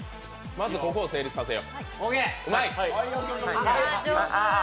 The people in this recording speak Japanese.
まずここを成立させて。